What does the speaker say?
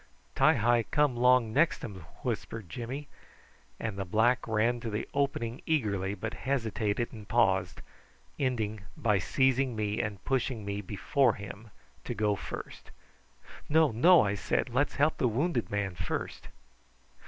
"Ti hi come 'long nextums," whispered Jimmy; and the black ran to the opening eagerly, but hesitated and paused, ending by seizing me and pushing me before him to go first. "No, no," I said; "let's help the wounded man first."